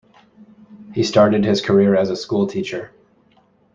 He started his career as a schoolteacher.